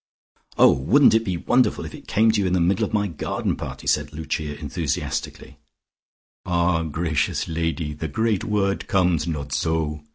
"Oh, wouldn't it be wonderful if it came to you in the middle of my garden party?" said Lucia enthusiastically. "Ah, gracious lady, the great word comes not so.